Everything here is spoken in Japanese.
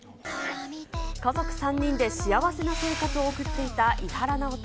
家族３人で幸せな生活を送っていた伊原直人。